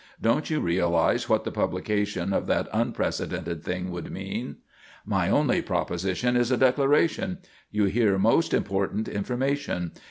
Don't you realise what the publication of that unprecedented thing would mean?" "My only proposition is a declaration. You hear most important information.